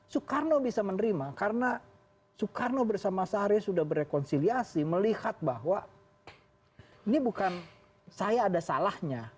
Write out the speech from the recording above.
soekarno bisa menerima karena soekarno bersama sahri sudah berekonsiliasi melihat bahwa ini bukan saya ada salahnya